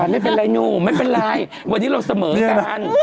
ไม่เป็นไรหนูไม่เป็นไรวันนี้เราเสมอกัน